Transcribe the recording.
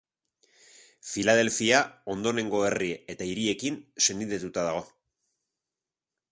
Filadelfia ondorengo herri eta hiriekin senidetuta dago.